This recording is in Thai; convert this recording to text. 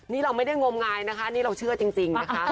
นี่เราไม่ได้งงงายนี่เราเชื่อจริง